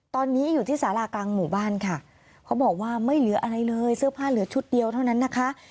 ตอนนี้อยู่ที่สารากลางหมู่บ้านค่ะเขาบอกว่าไม่เหลืออะไรเลยเสื้อผ้าเหลือชุดเดียวเท่านั้นนะคะ